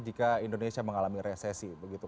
jika indonesia mengalami resesi begitu